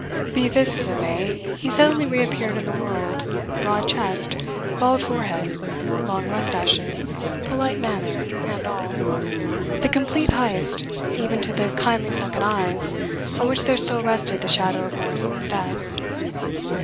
Be this as it may, he suddenly reappeared in the world, broad chest, bald forehead, long moustaches, polite manner, and all the complete Heyst, even to the kindly sunken eyes on which there still rested the shadow of Morrison's death.